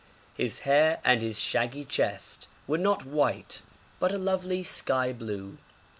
His hair and his shaggy chest were not white, but a lovely sky blue.